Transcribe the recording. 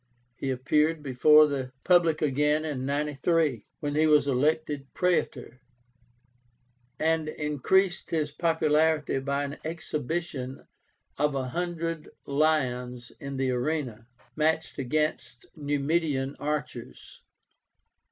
He appeared before the public again in 93, when he was elected Praetor, and increased his popularity by an exhibition of a hundred lions in the arena, matched against Numidian archers.